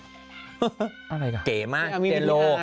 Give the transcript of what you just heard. อะไรกันเก๋มากเจโร